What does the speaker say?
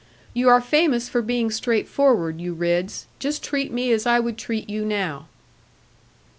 You are famous for being straightforward, you Ridds. Just treat me as I would treat you now.'